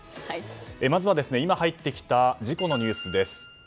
まずは今入ってきた事故のニュースです。